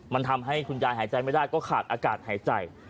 มันทำให้คุณยายหายใจไม่ได้ก็ขาดอากาศหายใจ